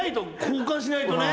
交換しないとね。